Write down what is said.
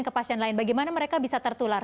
ke pasien lain bagaimana mereka bisa tertular